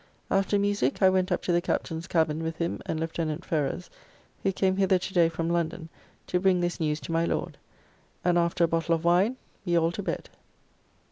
After musique I went up to the Captain's Cabin with him and Lieutenant Ferrers, who came hither to day from London to bring this news to my Lord, and after a bottle of wine we all to bed.